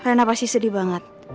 rena pasti sedih banget